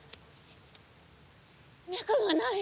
脈がない！